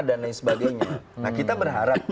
dan sebagainya nah kita berharap